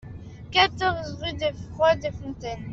quatorze rue de Froidefontaine